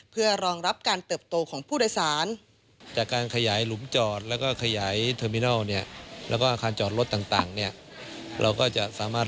เพื่อรองรับการเติบโตของผู้โดยสาร